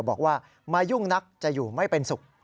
บอกว่ามายุ่งนักจะอยู่ไม่เป็นสุข